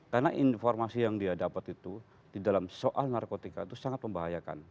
karena informasi yang dia dapat itu di dalam soal narkotika itu sangat membahayakan